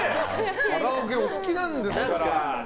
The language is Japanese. カラオケお好きなんですから。